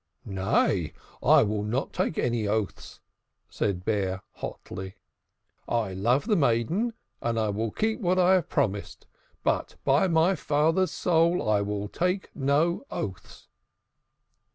"Nay, I will not take any oaths," said Bear, hotly. "I love the maiden, and I will keep what I have promised. But, by my father's soul, I will take no oaths!"